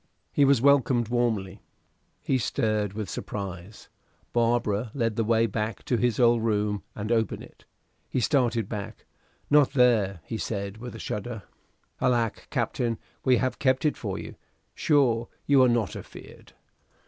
He was welcomed warmly. He stared with surprise. Barbara led the way to his old room, and opened it. He started back. "Not there," he said, with a shudder. "Alack! Captain, we have kept it for you. Sure you are not afear'd."